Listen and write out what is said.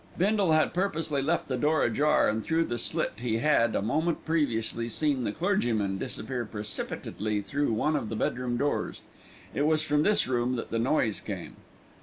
Bindle had purposely left the door ajar and through the slit he had, a moment previously, seen the clergyman disappear precipitately through one of the bedroom doors. It was from this room that the noise came.